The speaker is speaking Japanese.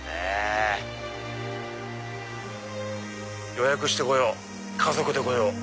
予約して来よう家族で来よう。